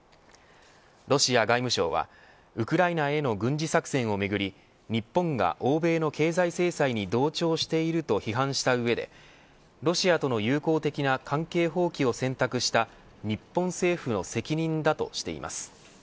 ロシア外務省はウクライナへの軍事作戦をめぐり日本が欧米の経済制裁に同調していると批判した上でロシアとの友好的な関係放棄を選択した日本政府の責任だとしています。